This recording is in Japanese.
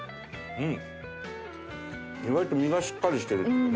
うん！